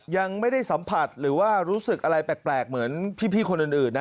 ยังไม่ได้สัมผัสหรือว่ารู้สึกอะไรแปลกเหมือนพี่คนอื่นนะ